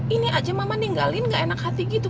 ini aja mama ninggalin gak enak hati gitu